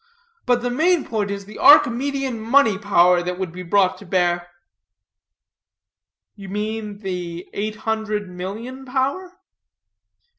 But the main point is the Archimedean money power that would be brought to bear." "You mean the eight hundred million power?"